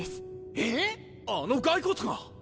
えぇ⁉あの骸骨が！